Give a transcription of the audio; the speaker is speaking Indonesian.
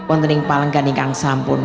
untuk yang palingan yang sampun